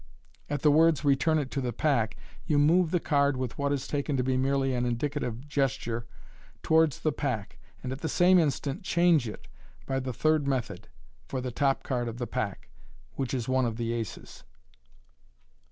At the words " return it to the pack," you move the card with what is taken to be merely an indicative gesture, towards the pack, and at the same instant " change " it by the third method {see page 30) for the top card of the pack, which is one of the aces.